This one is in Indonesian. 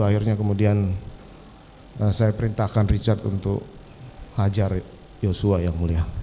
akhirnya kemudian saya perintahkan richard untuk hajar yosua yang mulia